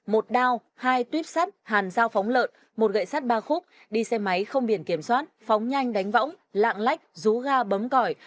một đao hai tuyếp sắt hàn dao phóng lợn một gậy sắt ba khúc đi xe máy không biển kiểm soát phóng nhanh đánh võng lạng lách rú ga bấm cõi